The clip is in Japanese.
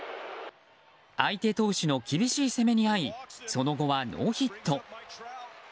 相手投手の厳しい攻めにあいその後はノーヒット。